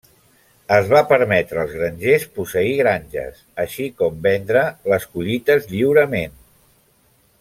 Es va permetre als grangers posseir granges, així com vendre les collites lliurement.